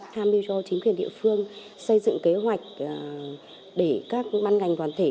tham mưu cho chính quyền địa phương xây dựng kế hoạch để các ban ngành toàn thể